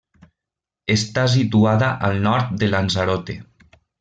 Està situada al nord de Lanzarote.